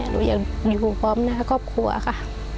หนูยังอยู่พร้อมหน้าครอบครัวค่ะ